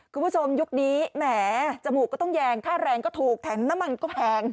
คุณผู้ชมยุคนี้แหมจมูกก็ต้องแยงค่าแรงก็ถูกแถมน้ำมันก็แพง